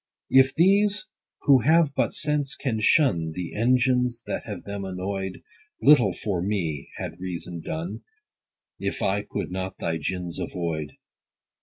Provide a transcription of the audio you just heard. If these who have but sense, can shun The engines, that have them annoy'd ; Little for me had reason done, If I could not thy gins avoid.